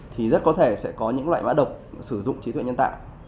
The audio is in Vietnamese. thì rất có thể sẽ có những loại mã độc sử dụng trí tuệ nhân tạo